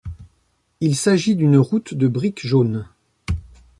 Il s’agit d’une route de briques jaunes.